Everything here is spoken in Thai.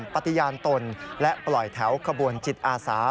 ปฏิญาณตนและปล่อยแถวขบวนจิตอาสา